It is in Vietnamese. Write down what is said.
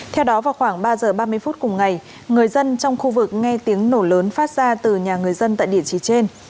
theo đó vào khoảng ba giờ ba mươi phút cùng ngày người dân trong khu vực nghe tiếng nổ lớn phát ra từ nhà người dân tại địa chỉ trên